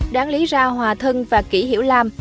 đáng lý ra hòa thân và kỷ hiểu lam